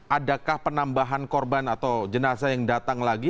adakah penambahan korban atau jenazah yang datang lagi